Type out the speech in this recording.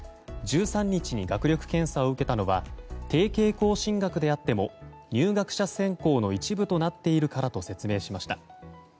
１３日に学力検査を受けたのは提携校進学であっても入学者選考の一部となっているからと説明しました。